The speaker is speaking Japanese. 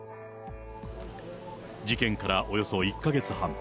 事件からおよそ１か月半。